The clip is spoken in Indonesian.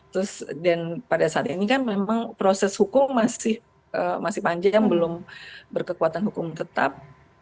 terus dan pada saat ini kan memang proses hukum masih panjang belum berkekuatan hukum tetap